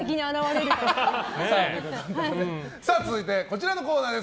続いてこちらのコーナーです。